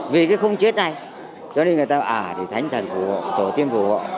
vì cái không chết này cho nên người ta bảo à thì thánh thần phụ hộ tổ tiên phụ hộ